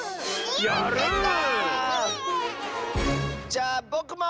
じゃあぼくも！